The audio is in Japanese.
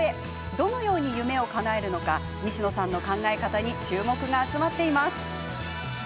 どのように夢をかなえるのか西野さんの考え方に注目が集まっています。